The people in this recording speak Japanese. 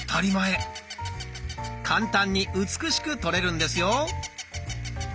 簡単に美しく撮れるんですよ。